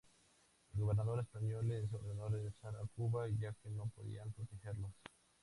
El gobernador español les ordenó regresar a Cuba, ya que no podía protegerlos.